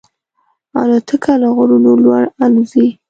الوتکه له غرونو لوړ الوزي.